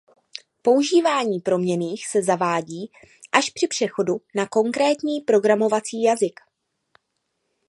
Používání proměnných se zavádí až při přechodu na konkrétní programovací jazyk.